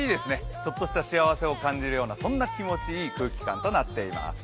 ちょっとした幸せを感じるようなそんな気持ちいい空気感となっています。